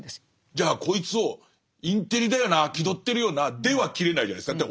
じゃあこいつをインテリだよな気取ってるよなでは切れないじゃないですか。